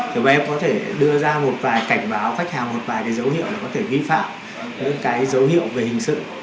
thứ ba là có thể đưa ra một vài cảnh báo khách hàng một vài cái dấu hiệu là có thể ghi phá những cái dấu hiệu về hình sự